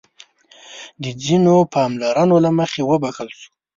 د ځينو پاملرنو له مخې وبښل شو.